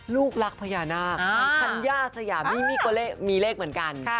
ลูกรักพญานาคธัญญาสยามี่นี่ก็มีเลขเหมือนกัน